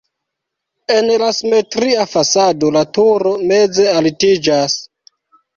En la simetria fasado la turo meze altiĝas.